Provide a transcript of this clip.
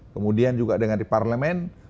kemudian juga dengan di parlemen